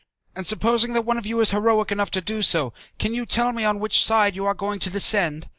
And supposing that one of you is heroic enough to do so, can you tell me on which side you are going to descend?